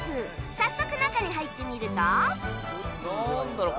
早速中に入ってみるとなんだろう？